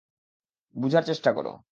বুঝার চেষ্টা করো।